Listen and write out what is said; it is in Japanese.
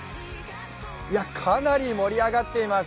かなり盛り上がっています。